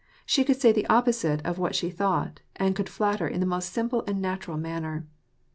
She could say the opposite of what she thought, and could flatter in the most simple and natu ral manner.